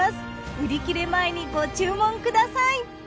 売り切れ前にご注文ください。